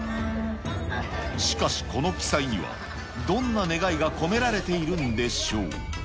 しかし、この奇祭にはどんな願いが込められているんでしょう。